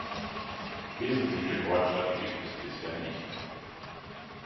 Wesentliche Fortschritte gibt es bisher nicht.